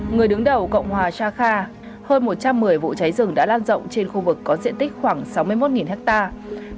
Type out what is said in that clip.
người đứng đầu cộng hòa chakha hơn một trăm một mươi vụ cháy rừng đã lan rộng trên khu vực có diện tích khoảng sáu mươi một hectare